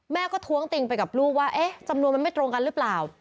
แม่ก็ท้วงติงไปกับลูกว่าเอ๊ะจำนวนมันไม่ตรงกันหรือเปล่า